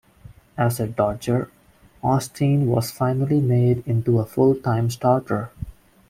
As a Dodger, Osteen was finally made into a full-time starter.